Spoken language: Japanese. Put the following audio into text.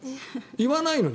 言わないのに。